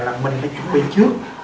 là mình phải chuẩn bị trước